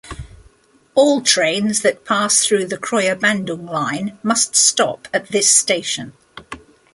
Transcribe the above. All trains that pass through the Kroya–Bandung line must stop at this station.